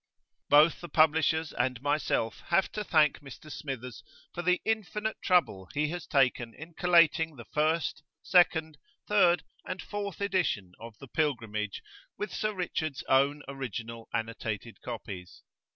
Both the publishers and myself have to thank Mr. Smithers for the infinite trouble he has taken in collating the first, second, third and fourth editions of the 'Pilgrimage' with Sir Richard's own original annotated copies.